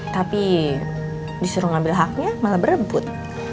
tapi disuruh ngambil haknya malah berebut